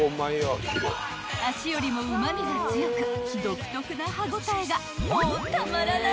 ［足よりもうま味が強く独特な歯応えがもうたまらない］